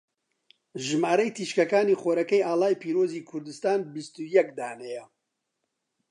ژمارەی تیشکەکانی خۆرەکەی ئاڵای پیرۆزی کوردستان بیستو یەک دانەیە.